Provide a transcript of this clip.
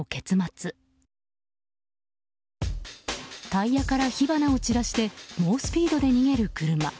タイヤから火花を散らして猛スピードで逃げる車。